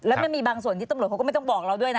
แล้วมันมีบางส่วนที่ตำรวจเขาก็ไม่ต้องบอกเราด้วยนะ